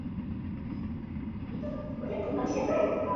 王朝闻自幼喜爱绘画。